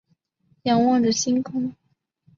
仰望着星空